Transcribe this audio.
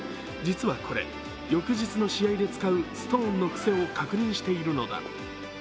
実はこれ、翌日の試合で使うストーンの癖を確認しているのだ。